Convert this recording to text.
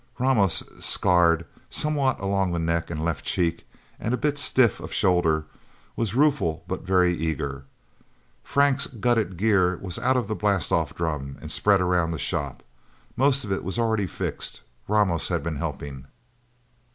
Ramos, scarred, somewhat, along the neck and left cheek, and a bit stiff of shoulder, was rueful but very eager. Frank's gutted gear was out of the blastoff drum, and spread around the shop. Most of it was already fixed. Ramos had been helping.